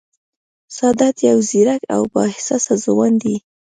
سادات یو ځېرک او با احساسه ځوان دی